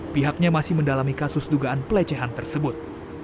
pihaknya masih mendalami kasus dugaan pelecehan tersebut